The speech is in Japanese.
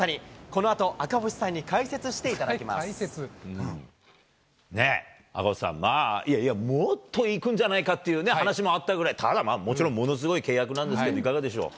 このあと、赤星さんに解解説？ねぇ、赤星さん、まあ、いやいや、もっといくんじゃないかっていう話もあったぐらい、ただ、もちろんものすごい契約なんですけど、いかがでしょう？